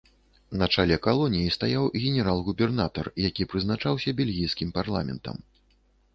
На чале калоніі стаяў генерал-губернатар, які прызначаўся бельгійскім парламентам.